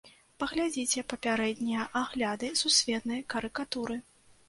Паглядзіце папярэднія агляды сусветнай карыкатуры.